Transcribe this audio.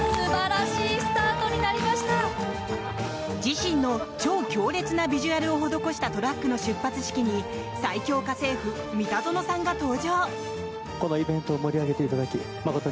自身の超強烈なビジュアルを施したトラックの出発式に最恐家政夫・三田園さんが登場。